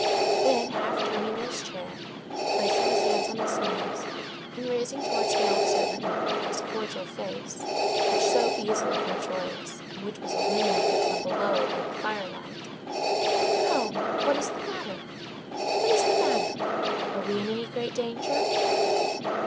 Then half turning in his chair, placing his hands on his knees, and raising towards the old servant woman his cordial face, which so easily grew joyous, and which was illuminated from below by the firelight,—"Come, what is the matter? What is the matter? Are we in any great danger?"